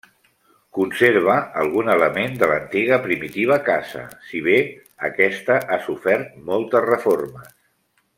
Conserva algun element de l'antiga primitiva casa, si bé aquesta ha sofert moltes reformes.